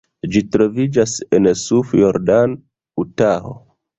Ĝi troviĝas en South Jordan, Utaho.